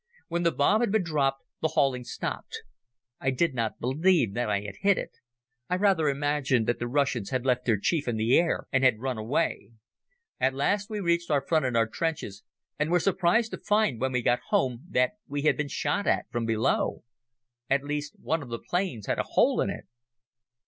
When the bomb had been dropped the hauling stopped. I did not believe that I had hit it. I rather imagined that the Russians had left their chief in the air and had run away. At last we reached our front and our trenches and were surprised to find when we got home that we had been shot at from below. At least one of the planes had a hole in it.